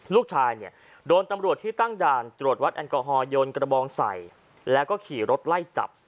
ลูกชายเนี่ยโดนตำรวจที่ตั้งด่านตรวจวัดแอลกอฮอลโยนกระบองใส่แล้วก็ขี่รถไล่จับ